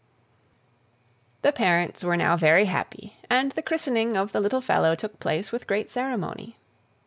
The parents were now very happy, and the christening of the little fellow took place with great ceremony.